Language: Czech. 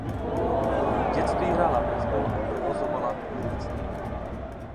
V dětství hrála baseball a provozovala jezdectví.